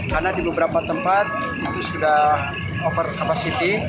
karena di beberapa tempat itu sudah over capacity